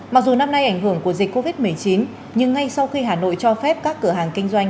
mặc dù năm nay ảnh hưởng của dịch covid một mươi chín nhưng ngay sau khi hà nội cho phép các cửa hàng kinh doanh